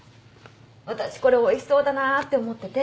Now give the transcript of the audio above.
私これおいしそうだなって思ってて。